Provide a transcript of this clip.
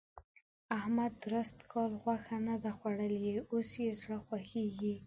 احمد درست کال غوښه نه ده خوړلې؛ اوس يې زړه خوږېږي.